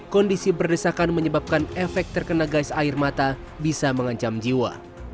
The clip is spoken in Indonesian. kondisi berdesakan menyebabkan efek terkena gais air mata bisa mengancam jiwa